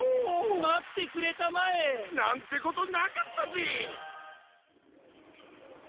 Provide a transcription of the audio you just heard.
まってくれたまえ！なんてことなかったぜ！